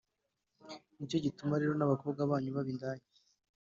Ni cyo gituma rero n’abakobwa banyu baba indaya,